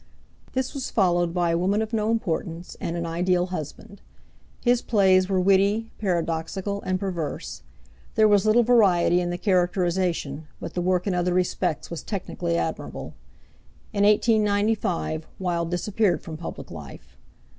This was followed by A Woman of No Importance and An Ideal Husband. His plays were witty, paradoxical and perverse. There was little variety in the characterisation, but the work in other respects was technically admirable. In 1895 Wilde disappeared from public life.